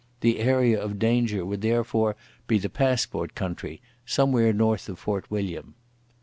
The area of danger would, therefore, be the passport country, somewhere north of Fort William.